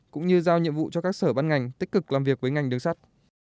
cũng như giao nhiệm vụ cho các sở ban ngành tích cực làm việc với ngành đường sắt